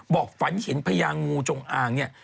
ฝันเห็นพญางูจงอางเนี่ย